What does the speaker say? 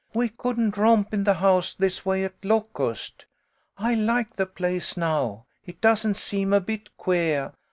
We couldn't romp in the house this way at Locust. I like the place now, it doesn't seem a bit queah.